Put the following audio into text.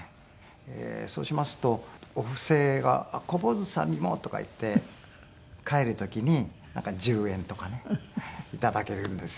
そうしますとお布施が「小坊主さんにも」とかいって帰る時になんか１０円とかね頂けるんですよ。